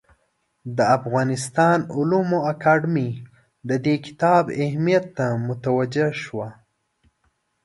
د افغانستان علومو اکاډمي د دې کتاب اهمیت ته متوجه شوه.